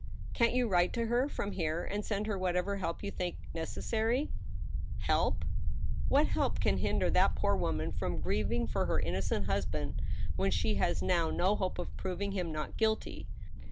"Can't yoQ write to her ... from here, ... and send her whatever help you think necessary ?"" Help ? What help can hinder that poor woman from grieving for her innocent husband, when she has now no hope of proving him not guilty